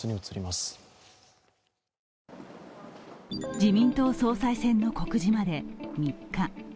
自民党総裁選の告示まで３日。